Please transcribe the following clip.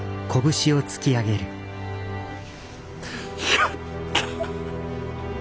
やった！